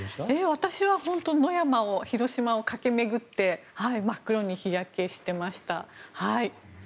私は野山を広島を駆け巡って真っ黒に日焼けしていました。